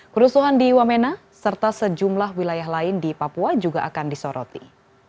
kerusuhan di wamena serta sejumlah wilayah lain di papua juga akan disoroti